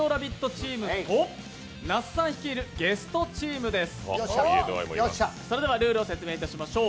チームと那須さん率いるゲストチームです。